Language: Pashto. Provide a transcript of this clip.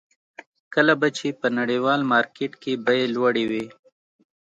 کله به چې په نړیوال مارکېټ کې بیې لوړې وې.